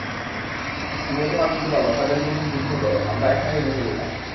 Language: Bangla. তুমি ও তোমার প্রতিপালক তাদের বিরুদ্ধে যুদ্ধ কর, আমরা এখানেই বসে রইলাম।